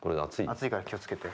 熱いから気を付けて。